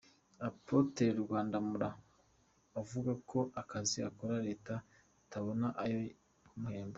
Apotre Rwandamura avuga ko akazi akora Leta itabona ayo kumuhemba.